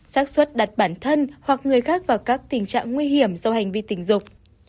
xác xuất đặt bản thân hoặc người khác vào các tình trạng nguy hiểm do hành vi tình dục